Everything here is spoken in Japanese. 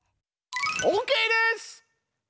オッケーです！